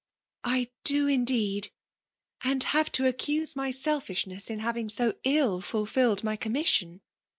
'I do, indeed !— and have to accuse aiy selfishness in having so ill fuifiHed my oom« mission.